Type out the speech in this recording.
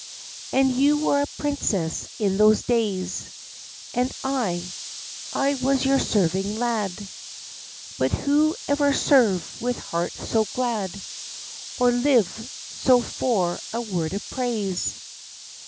And you were a princess in those days. And I I was your serving lad. But who ever served with heart so glad, or lived so for a word of praise?